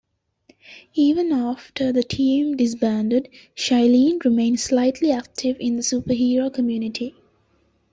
Even after the team disbanded, Shyleen remained slightly active in the superhero community.